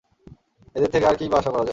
এদের থেকে আর কী-ই বা আশা করা যায়?